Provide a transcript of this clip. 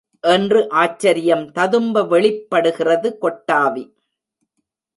என்று ஆச்சரியம் ததும்ப வெளிப் படுகிறது கொட்டாவி.